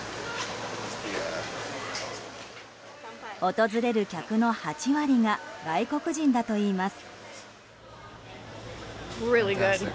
訪れる客の８割が外国人だといいます。